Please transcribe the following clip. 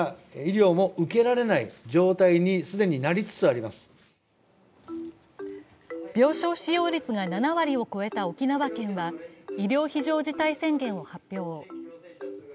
こうした中病床使用率が７割を超えた沖縄県は、医療非常事態宣言を発表。